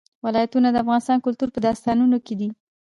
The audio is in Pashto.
ولایتونه د افغان کلتور په داستانونو کې دي.